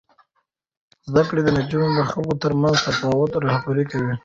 زده کړې نجونې د خلکو ترمنځ تفاهم رهبري کوي.